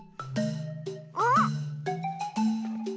あっ！